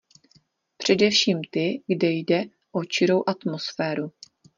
Především ty, kde jde o čirou atmosféru.